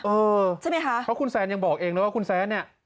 เออใช่ไหมคะเพราะคุณแซนยังบอกเองเลยว่าคุณแซนเนี่ย